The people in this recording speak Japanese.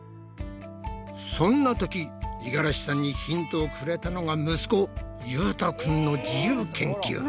そんなとき五十嵐さんにヒントをくれたのが息子優翔くんの自由研究！